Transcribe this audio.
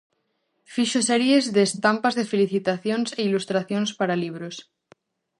Fixo series de estampas de felicitacións e ilustracións para libros.